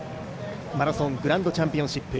マラソングランドチャンピオンシップ。